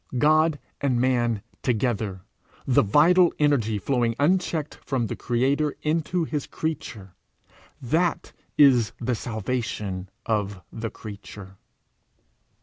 God and man together, the vital energy flowing unchecked from the creator into his creature that is the salvation of the creature.